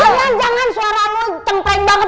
jangan jangan suara lo tempreng banget